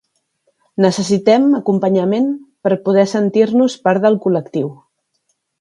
Necessitem acompanyament per poder sentir-nos part del col·lectiu.